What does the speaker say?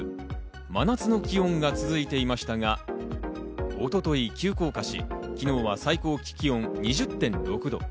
真夏の気温が続いていましたが、一昨日急降下し、昨日は最高気温２０．６度。